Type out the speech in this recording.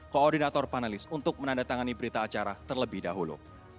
koordinator panelis untuk menandatangani berita acara terlebih dahulu